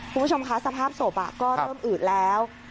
คุณผู้ชมคะสภาพศพก็เริ่มอืดแล้ว